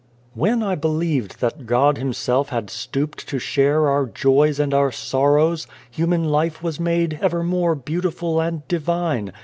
"When I believed that God Himself had stooped to share our joys and our sorrows, human life was made evermore beautiful and divine.